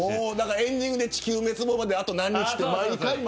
エンディングで地球滅亡まであと何日とかね。